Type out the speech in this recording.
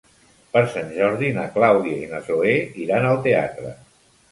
Per Sant Jordi na Clàudia i na Zoè iran al teatre.